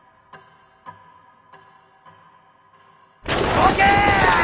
どけ！